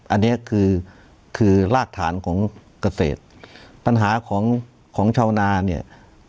อันนี้คือคือรากฐานของเกษตรปัญหาของของชาวนาเนี่ย